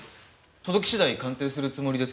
届き次第鑑定するつもりですけど。